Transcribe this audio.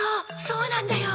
そうなんだよ！